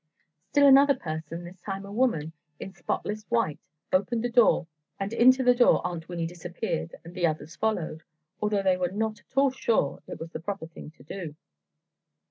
Still another person, this time a woman, in spotless white, opened the door and into the door Aunt Winnie disappeared, and the others followed, although they were not at all sure it was the proper thing to do.